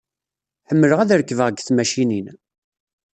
Ḥemmleɣ ad rekbeɣ deg tmacinin.